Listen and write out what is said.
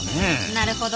なるほど。